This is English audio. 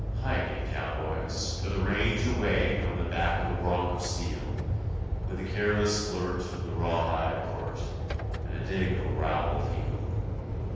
Hike it, cowboys, For the range away On the back of a bronc of steel, With a careless flirt Of the raw hide quirt And a dig of a roweled heel!